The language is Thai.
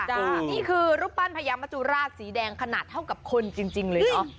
นี่คือรูปปั้นพญามจุราชสีแดงขนาดเท่ากับคนจริงเลยเนอะ